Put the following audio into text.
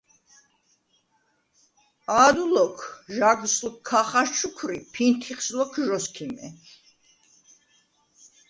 “ა̄დუ ლოქ, ჟაგს ლოქ ქა ხაშჩუქვრი, ფინთიხს ლოქ ჟ’ოსქიმე”.